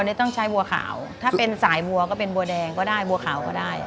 นี่ต้องใช้บัวขาวถ้าเป็นสายบัวก็เป็นบัวแดงก็ได้บัวขาวก็ได้